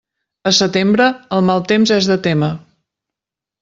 A setembre, el mal temps és de témer.